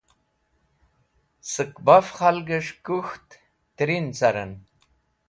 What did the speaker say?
Sẽk baf k̃halgẽs̃h kuk̃ht trin carẽn.